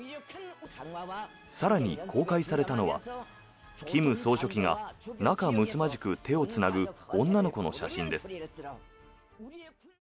更に、公開されたのは金総書記が仲むつまじく手をつなぐ女の子の写真です。